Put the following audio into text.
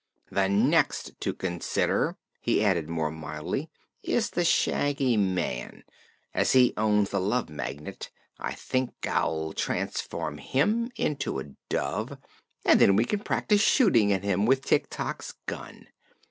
The next to consider," he added more mildly, "is the Shaggy Man. As he owns the Love Magnet, I think I'll transform him into a dove, and then we can practice shooting at him with Tik Tok's gun.